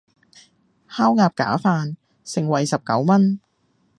烤鴨架飯，盛惠十九文